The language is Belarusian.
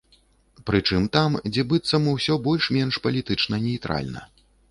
Прычым там, дзе быццам усё больш-менш палітычна нейтральна.